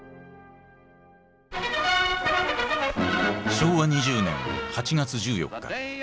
昭和２０年８月１４日。